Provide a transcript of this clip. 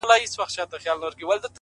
چي زه تورنه ته تورن سې گرانه !!